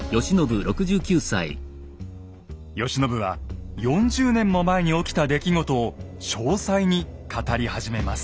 慶喜は４０年も前に起きた出来事を詳細に語り始めます。